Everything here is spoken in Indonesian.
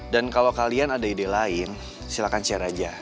dan kalo kalian ada ide lain silahkan share aja